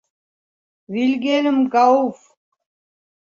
Вильгельм Гауф.